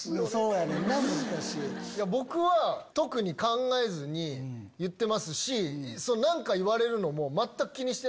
僕は特に考えずに言ってますし何か言われるのも全く気にしてなくて。